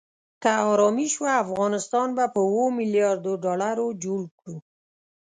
که آرامي شوه افغانستان به په اوو ملیاردو ډالرو جوړ کړو.